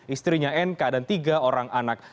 istrinya nk dan tiga orang anak